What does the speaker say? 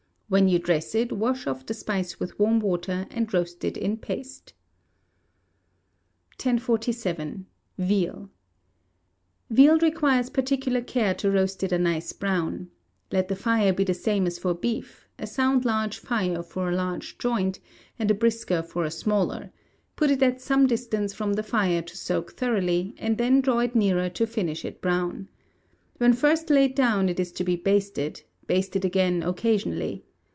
When you dress it, wash off the spice with warm water, and roast it in paste. 1047. Veal Veal requires particular care to roast it a nice brown. Let the fire be the same as for beef; a sound large fire for a large joint, and a brisker for a smaller; put it at some distance from the fire to soak thoroughly, and then draw it nearer to finish it brown. When first laid down it is to be basted; baste it again occasionally.